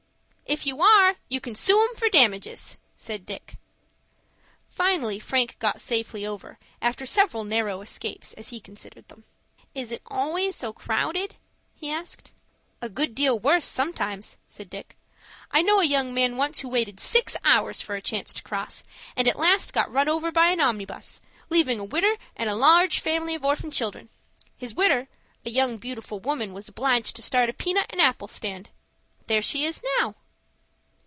"If you are, you can sue 'em for damages," said Dick. Finally Frank got safely over after several narrow escapes, as he considered them. "Is it always so crowded?" he asked. "A good deal worse sometimes," said Dick. "I knowed a young man once who waited six hours for a chance to cross, and at last got run over by an omnibus, leaving a widder and a large family of orphan children. His widder, a beautiful young woman, was obliged to start a peanut and apple stand. There she is now."